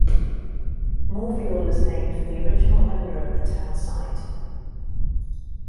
Moorefield was named for the original owner of the town site.